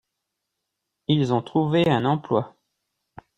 Ils ont trouvés un emploi.